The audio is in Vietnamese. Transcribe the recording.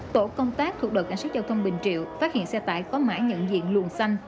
tổ công tác thuộc đội cảnh sát giao thông bình triệu phát hiện xe tải có mã nhận diện luồn xanh